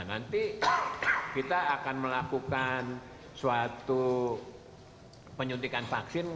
nanti kita akan melakukan suatu penyuntikan vaksin